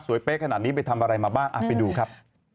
สวยไปขนาดนี้ไปทำอะไรมาบ้างอ่าไปดูครับ